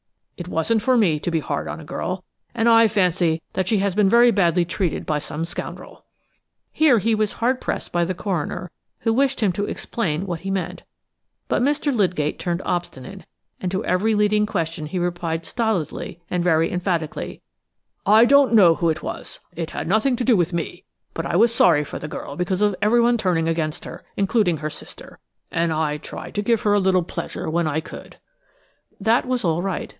It wasn't for me to be hard on a girl, and I fancy that she has been very badly treated by some scoundrel." Here he was hard pressed by the coroner, who wished him to explain what he meant. But Mr. Lydgate turned obstinate, and to every leading question he replied stolidly and very emphatically: "I don't know who it was. It had nothing to do with me, but I was sorry for the girl because of everyone turning against her, including her sister, and I tried to give her a little pleasure when I could." That was all right.